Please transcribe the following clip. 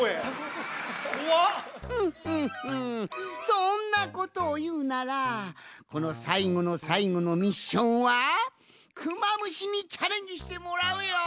そんなことをいうならこのさいごのさいごのミッションはクマムシにチャレンジしてもらうよん！